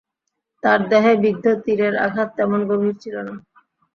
তার দেহে বিদ্ধ তীরের আঘাত তেমন গভীর ছিল না।